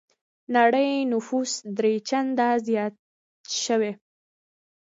نړۍ نفوس درې چنده زيات شوی.